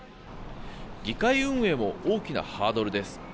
議会運営も大きなハードルです。